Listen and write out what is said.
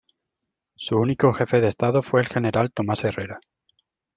Su único jefe de Estado fue el general Tomás Herrera.